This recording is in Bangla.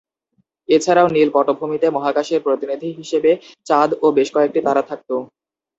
এছাড়াও নীল পটভূমিতে মহাকাশের প্রতিনিধি হিসেবে চাঁদ ও বেশকয়েকটি তারা থাকতো।